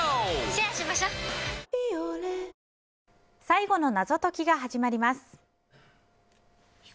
最後の謎解きが始まります。